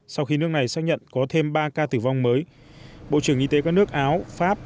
sau khi nước này xác nhận có thêm ba ca tử vong mới bộ trưởng y tế các nước áo pháp